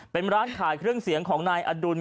เป็นร้านขายเครื่องเสียงของนายอดุล